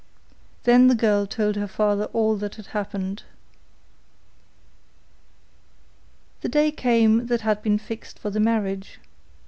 Then the girl told her father all that had happened. The day came that had been fixed for the marriage.